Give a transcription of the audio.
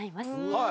はい。